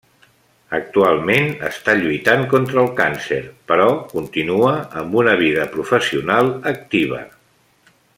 Actualment està lluitant contra el càncer, però continua amb una vida professional activa.